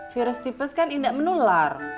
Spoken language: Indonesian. virus tipis kan indah menular